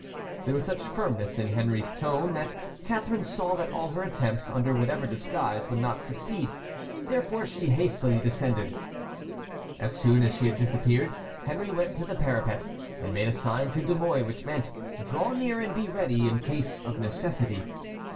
There was such firmness in Henry's tone that Catharine saw that all her attempts, under whatever disguise, would not succeed. Therefore she hastily descended. As soon as she had disappeared Henry went to the parapet and made a sign to De Mouy, which meant: "Draw near and be ready in case of necessity."